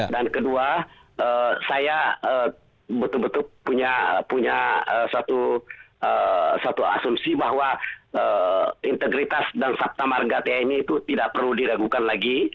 dan kedua saya betul betul punya satu asumsi bahwa integritas dan saptamar tni itu tidak perlu diragukan lagi